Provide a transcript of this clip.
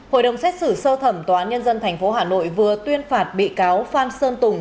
hội đồng xét xử sơ thẩm tòa án nhân dân tp hà nội vừa tuyên phạt bị cáo phan sơn tùng